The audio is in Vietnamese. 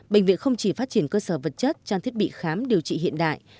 bệnh viện không chỉ phát triển cơ sở vật chất trang thiết bị khám điều trị hiện đại